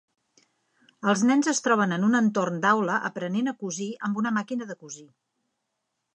Els nens es troben en un entorn d'aula aprenent a cosir amb una màquina de cosir.